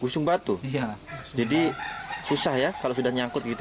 busung batu jadi susah ya kalau sudah nyangkut gitu